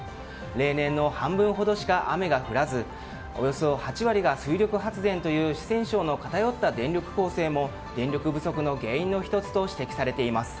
例年の半分ほどしか雨が降らずおよそ８割が水力発電という四川省の偏った電力構成も電力不足の原因の１つと指摘されています。